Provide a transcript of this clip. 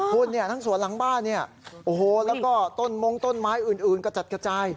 คุณเนี่ยทั้งสวนหลังบ้านเนี่ยโอ้โหแล้วก็ต้นมงต้นไม้อื่นกระจัดกระจาย